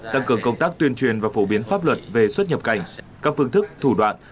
tăng cường công tác tuyên truyền và phổ biến pháp luật về xuất nhập cảnh các phương thức thủ đoạn